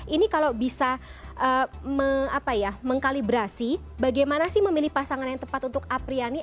ini kalau bisa mengkalibrasi bagaimana sih memilih pasangan yang tepat untuk apriani